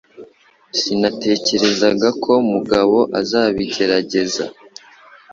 Sinatekerezaga ko Mugabo azabigerageza